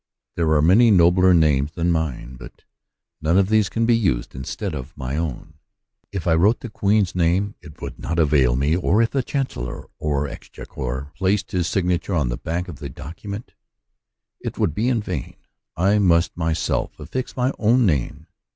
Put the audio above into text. There are many nobler names than mine, but none of these can be used instead of my own. If I wrote the Queen's name, it would not avail me. If the Chancellor of the Exchequer placed his signature on the back of the document, it would be in vain. I must myself affix my own name.